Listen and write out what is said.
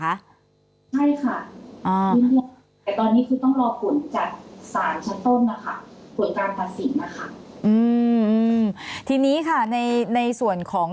ใช่ค่ะยื่นเรื่องใหม่แต่ตอนนี้คือต้องรอผลจากสารชั้นต้นนะคะ